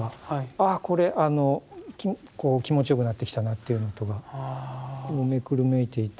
あこれ気持ちよくなってきたなっていうようなことがめくるめいていて。